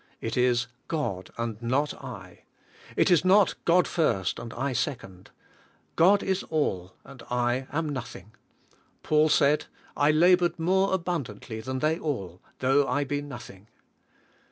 It is, "God and not I." It is not, "God first, and I sec ond;" God is all, and I am nothing. Paul said, "I labored more abundantly than they all ; though I be Til A T GOD MA Y BE ALL IN ALL 171 nothing."